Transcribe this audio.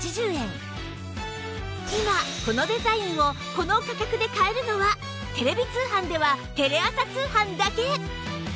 今このデザインをこの価格で買えるのはテレビ通販ではテレ朝通販だけ！